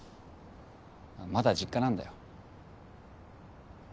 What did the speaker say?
まだ実家なんだよ。